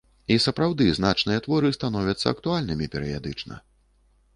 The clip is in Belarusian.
І сапраўды значныя творы становяцца актуальнымі перыядычна.